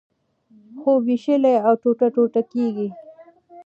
خوب وېشلی او ټوټه ټوټه کېږي.